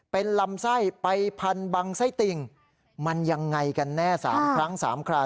เป็นลำไส้ไปพันบังไส้ติ่งมันยังไงกันแน่๓ครั้ง๓คราว